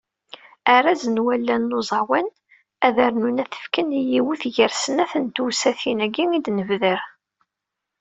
Arraz n wallal n uẓawan, ad rnun ad t-fken i yiwet gar snat n tewsatin-agi i d-nebder.